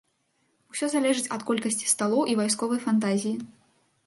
Усё залежыць ад колькасці сталоў і вайсковай фантазіі.